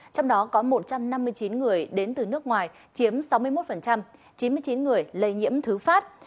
trong đó có một trăm năm mươi chín người đến từ nước ngoài chiếm sáu mươi một chín mươi chín người lây nhiễm thứ phát